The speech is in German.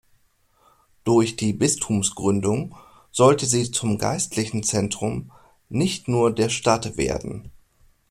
Durch die Bistumsgründung sollte sie zum geistlichen Zentrum nicht nur der Stadt werden.